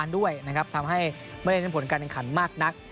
ด้วยนะครับทำให้ไม่ได้เน้นผลการแข่งขันมากนัก